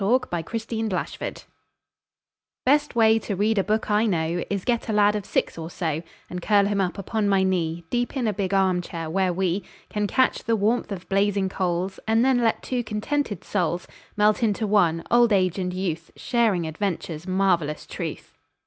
Best Way to Read a Book Best way to read a book I know Is get a lad of six or so, And curl him up upon my knee Deep in a big arm chair, where we Can catch the warmth of blazing coals, And then let two contented souls Melt into one, old age and youth, Sharing adventure's marvelous truth.